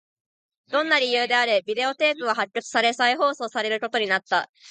どんな理由であれ、ビデオテープは発掘され、再放送されることになった